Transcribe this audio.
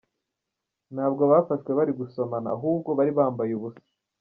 Ntabwo bafashwe bari gusomana, ahubwo bari bambaye ubusa.